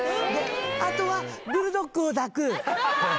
あとはブルドッグを抱く。